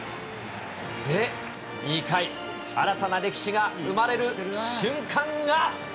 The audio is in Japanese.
で、２回、新たな歴史が生まれる瞬間が。